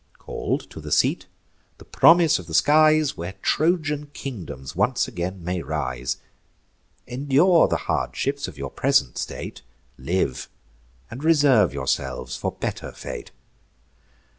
Call'd to the seat (the promise of the skies) Where Trojan kingdoms once again may rise, Endure the hardships of your present state; Live, and reserve yourselves for better fate."